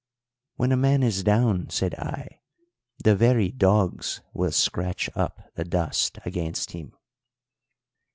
"'When a man is down,' said I, 'the very dogs will scratch up the dust against him.'